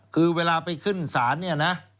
คือเวลาไปขึ้นศาลเนี่ยนะ